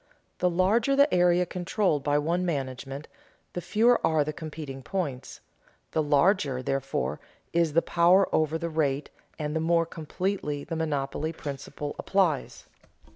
The larger the area controlled by one management, the fewer are the competing points; the larger, therefore, is the power over the rate and the more completely the monopoly principle applies.